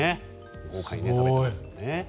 豪快に食べていますよね。